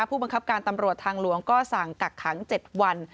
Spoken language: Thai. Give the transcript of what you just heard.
ผู้บังคับการตำรวจทางหลวงก็สั่งกักขัง๗วัน